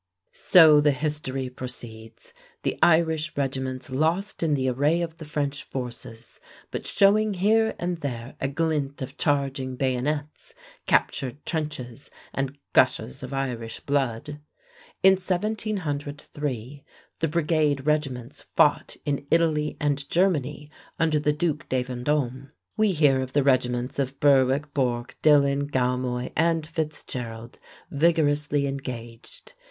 So the history proceeds, the Irish regiments lost in the array of the French forces, but showing here and there a glint of charging bayonets, captured trenches, and gushes of Irish blood. In 1703 the brigade regiments fought in Italy and Germany under the Duc de Vendome. We hear of the regiments of Berwick, Bourke, Dillon, Galmoy, and Fitzgerald vigorously engaged.